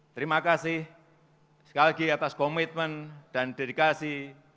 terima kasih sekali lagi atas komitmen dan dedikasi